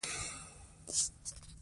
دی اوس د کابل د بابر په بڼ کې مدفون دی.